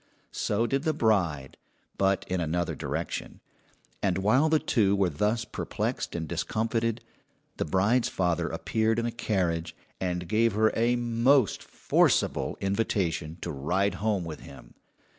So did the bride, but in another direction; and while the two were thus perplexed and discomfited, the bride's father appeared in a carriage, and gave her a most forcible invitation to ride home with him.